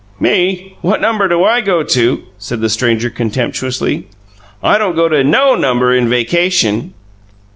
"Me? What number do I go to?" said the stranger, contemptuously. "I don't go to NO number in vacation!"